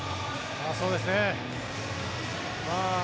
そうですね。